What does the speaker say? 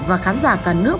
và khán giả cả nước